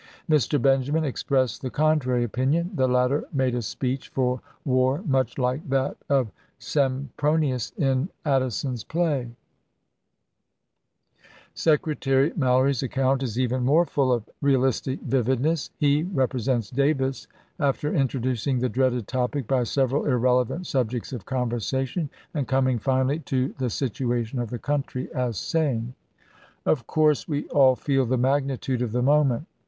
Mr. Benjamin expressed the contrary opinion. The latter made a speech for war much like that of Sempronius in pp 398, 399 Addison's play. Johnston, " Narrative of Military Opera tions, Secretary Mallory's account is even more full of realistic vividness. He represents Davis, after in troducing the dreaded topic by several irrelevant subjects of conversation and coming finally to " the situation of the country," as saying :" Of course we all feel the magnitude of the moment.